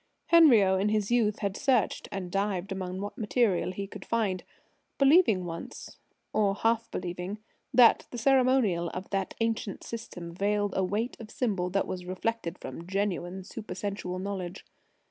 Henriot, in his youth, had searched and dived among what material he could find, believing once or half believing that the ceremonial of that ancient system veiled a weight of symbol that was reflected from genuine supersensual knowledge.